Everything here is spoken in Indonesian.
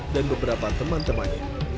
dan beberapa teman teman